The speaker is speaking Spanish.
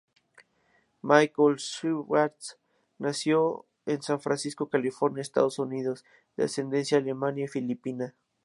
Michael Schwartz nació en San Francisco, California, Estados Unidos, de ascendencia alemana y filipina.